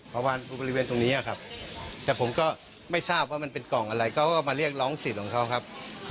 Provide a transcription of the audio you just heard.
สวัสดีครบสวัสดีครับ